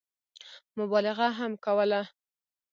مبالغه هم کوله.